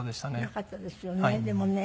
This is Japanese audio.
よかったですよねでもね。